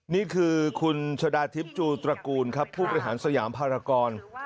นี่คือคุณชะดาทิพย์จูตระกูลครับผู้บริหารสยามภารกร